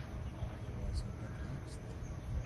I was a bit lax there.